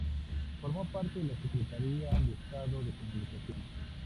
Formó parte de la Secretaría de Estado de Comunicación.